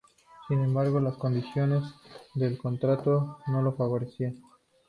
Sin embargo, las condiciones del contrato no le favorecían.